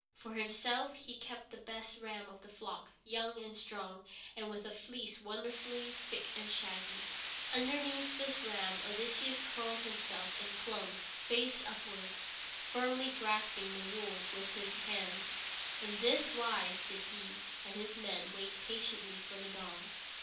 For himself he kept the best ram of the flock, young and strong, and with a fleece wonderfully thick and shaggy. Underneath this ram Odysseus curled himself, and clung, face upwards, firmly grasping the wool with his hands. In this wise did he and his men wait patiently for the dawn.